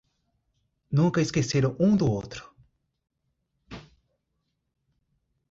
Nunca esqueceram um do outro